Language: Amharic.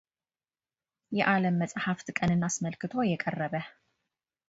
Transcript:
የዓለም መጻሕፍት ቀንን አስመልክቶ የቀረበ